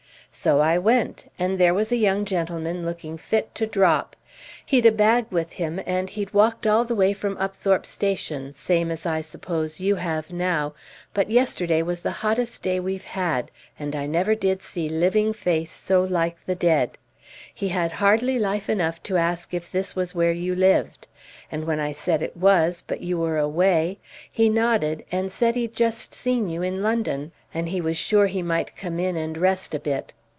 So I went, and there was a young gentleman looking fit to drop. He'd a bag with him, and he'd walked all the way from Upthorpe station, same as I suppose you have now; but yesterday was the hottest day we've had, and I never did see living face so like the dead. He had hardly life enough to ask if this was where you lived; and when I said it was, but you were away, he nodded and said he'd just seen you in London; and he was sure he might come in and rest a bit.